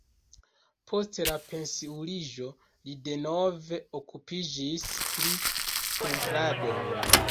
Post la pensiuliĝo li denove okupiĝis pri pentrado.